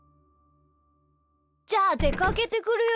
じゃあでかけてくるよ。